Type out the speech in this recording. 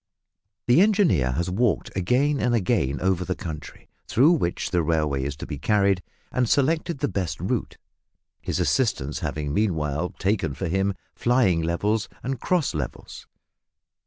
The engineer has walked again and again over the country through which the railway is to be carried and selected the best route, his assistants having meanwhile taken for him "flying levels" and "cross levels."